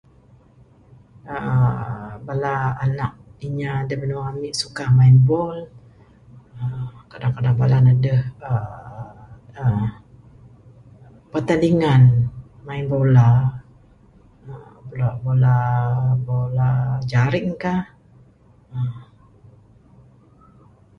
uhh bala anak inya da binua ami suka main ball uhh kadang kadang bala ne adeh uhh pertandingan main bola uhh bala bola ... bola jaring kah uhh .